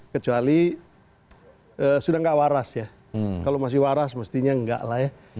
kecuali sudah tidak waras ya kalau masih waras mestinya enggak lah ya